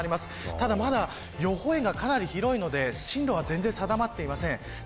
ただ、まだ予報円がかなり広いので進路は全然定まっていません。